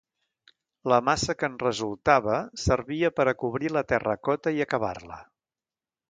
La massa que en resultava servia per a cobrir la terracota i acabar-la.